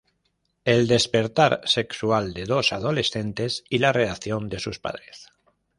El despertar sexual de dos adolescentes y la reacción de sus padres.